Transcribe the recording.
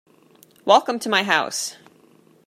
Welcome to my house.